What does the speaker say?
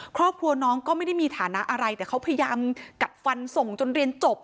ครอบครัวน้องก็ไม่ได้มีฐานะอะไรแต่เขาพยายามกัดฟันส่งจนเรียนจบ